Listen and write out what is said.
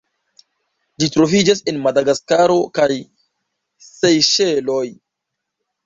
Ĝi troviĝas en Madagaskaro kaj Sejŝeloj.